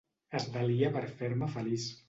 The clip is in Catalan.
Es delia per fer-me feliç.